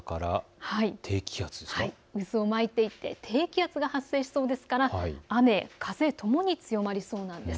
渦を巻いていて低気圧が発生しそうですから雨風ともに強まりそうなんです。